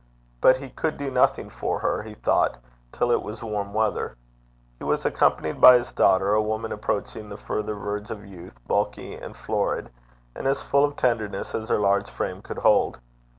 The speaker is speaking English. But he could do nothing for her, he thought, till it was warm weather. He was accompanied by his daughter, a woman approaching the further verge of youth, bulky and florid, and as full of tenderness as her large frame could hold.